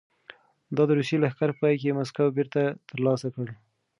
ایا د روسیې لښکر په پای کې مسکو بېرته ترلاسه کړ؟